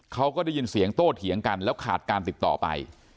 เขาก็ได้ยินเสียงโต้เถียงกันแล้วขาดการติดต่อไป